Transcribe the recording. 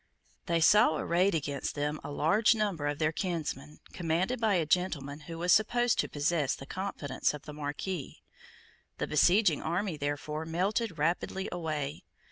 They saw arrayed against them a large number of their kinsmen, commanded by a gentleman who was supposed to possess the confidence of the Marquess. The besieging army therefore melted rapidly away.